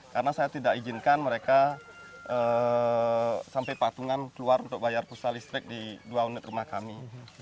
karena saya tidak izinkan mereka sampai patungan keluar untuk bayar pulsa listrik di dua unit rumah kami